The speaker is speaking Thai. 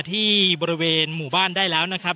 ที่บริเวณหมู่บ้านได้แล้วนะครับ